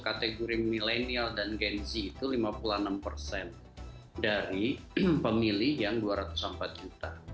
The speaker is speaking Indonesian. kategori milenial dan gen z itu lima puluh enam dari pemilih yang dua ratus empat juta